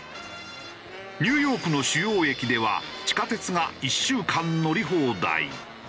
ニューヨークの主要駅では地下鉄が１週間乗り放題。